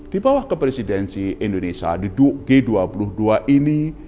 di bawah kepresidensi indonesia di g dua puluh dua ini